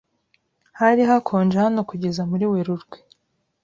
Hari hakonje hano kugeza muri Werurwe.